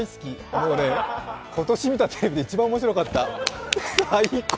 もうね、今年見たテレビで一番面白かった、最高。